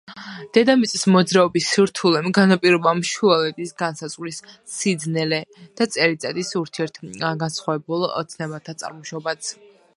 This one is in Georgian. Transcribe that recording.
დედამიწის მოძრაობის სირთულემ განაპირობა ამ შუალედის განსაზღვრის სიძნელე და წელიწადის ურთიერთგანსხვავებულ ცნებათა წარმოშობაც.